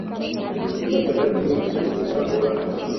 ilicheza fainali mbili mfululizo za ulaya